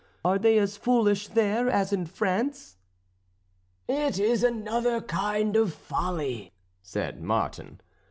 Are they as foolish there as in France?" "It is another kind of folly," said Martin.